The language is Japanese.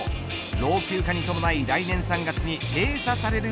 老朽化に伴い来年３月に閉鎖される